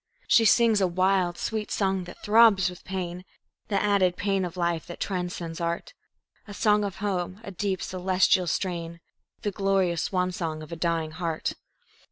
She sings a wild, sweet song that throbs with pain, The added pain of life that transcends art A song of home, a deep, celestial strain, The glorious swan song of a dying heart.